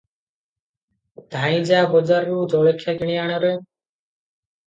ଧାଇଁ ଯା ବଜାରରୁ ଜଳଖିଆ କିଣି ଆଣରେ ।"